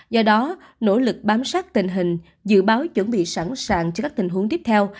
do đó nỗ lực bám sát tình hình dự báo chuẩn bị sẵn sàng cho các tình huống tiếp theo